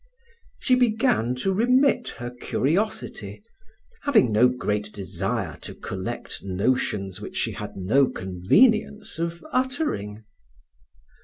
She began to remit her curiosity, having no great desire to collect notions which she had no convenience of uttering.